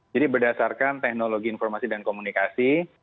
jadi berdasarkan teknologi informasi dan komunikasi